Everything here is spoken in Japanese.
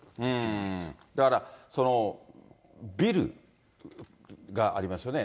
だから、ビルがありますよね。